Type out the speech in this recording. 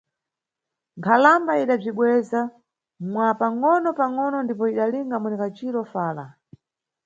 Nkhalamba idabzibweza, mwa pangʼono pangʼono, ndipo idalinga mwenekaciro fala.